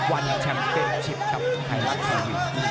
วันแชมป์เป็นชิปกับไทยรัฐทีวี